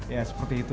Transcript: ya seperti itu